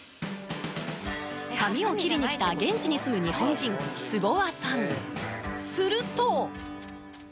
髪を切りに来た現地に住む日本人坪和さんすると！